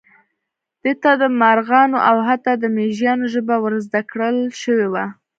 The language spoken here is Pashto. ده ته د مارغانو او حتی د مېږیانو ژبه ور زده کړل شوې وه.